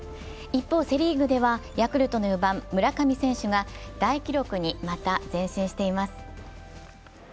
一方、セ・リーグではヤクルトの４番・村上選手が大記録にまた前進しています。